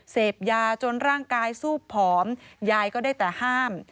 เสพยาจนร่างกายซูบผอมยายก็ได้แต่ห้าม